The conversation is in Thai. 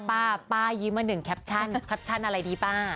ป้าป้ายิ้มมาหนึ่งแคปชั่นแคปชั่นอะไรดีป้า